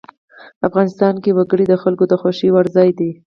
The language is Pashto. افغانستان کې وګړي د خلکو د خوښې وړ ځای دی.